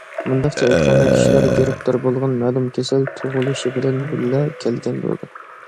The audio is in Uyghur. مۇنداقچە ئېيتقاندا، كىشىلەر گىرىپتار بولغان مەلۇم كېسەل‹‹ تۇغۇلۇشى بىلەن بىللە كەلگەن›› بولىدۇ.